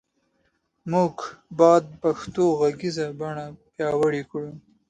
مونږ باد پښتو غږیزه بڼه پیاوړی کړو